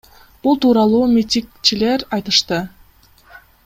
Бул тууралуу митигчилер айтышты.